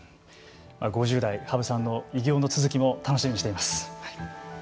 ５０代、羽生さんの偉業の続きも楽しみにしています。